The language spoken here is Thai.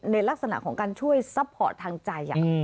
ในลักษณะของการช่วยซัพพอร์ตทางใจ